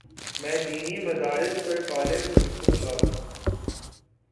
میں دینی مدارس پر کالم لکھوں گا۔